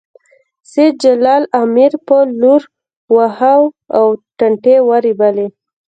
سېد جلال امیر په لور واښه او ټانټې ورېبلې